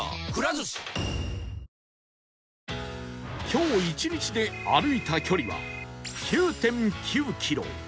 今日１日で歩いた距離は ９．９ キロ